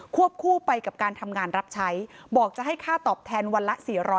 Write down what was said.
วบคู่ไปกับการทำงานรับใช้บอกจะให้ค่าตอบแทนวันละ๔๐๐